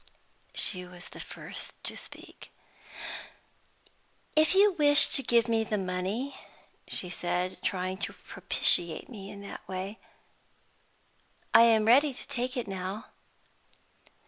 She was the first to speak. "If you wish to give me the money," she said, trying to propitiate me in that way, "I am ready to take it now."